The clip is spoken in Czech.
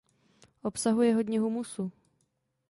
Obsahuje hodně humusu.